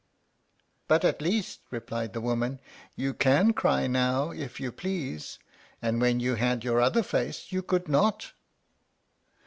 "But at least," replied the woman, "you CAN cry now if you please, and when you had your other face you could not."